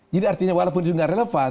jadi artinya walaupun itu tidak relevan